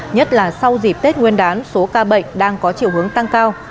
nhất là sau dịp tết nguyên đán số ca bệnh đang có chiều hướng tăng cao